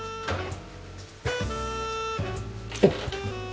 おっ！